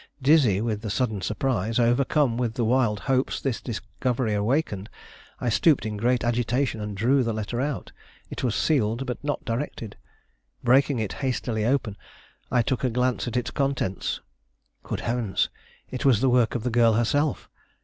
Dizzy with the sudden surprise, overcome with the wild hopes this discovery awakened, I stooped in great agitation and drew the letter out. It was sealed but not directed. Breaking it hastily open, I took a glance at its contents. Good heavens! it was the work of the girl herself!